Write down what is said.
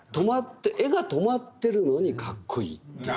絵が止まってるのにカッコいいっていう。